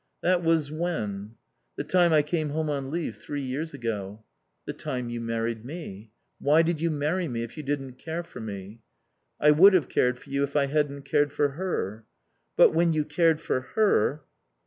"That was when?" "The time I came home on leave three years ago." "The time you married me. Why did you marry me, if you didn't care for me?" "I would have cared for you if I hadn't cared for her." "But, when you cared for her